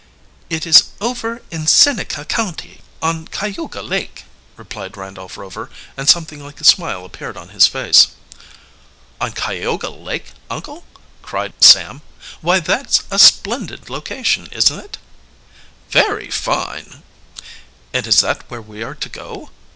"It is over in Seneca County, on Cayuga Lake," replied Randolph Rover, and something like a smile appeared on his face. "On Cayuga Lake, uncle!" cried Sam. "Why, that's a splendid location, isn't it?" "Very fine." "And is that where we are to go?"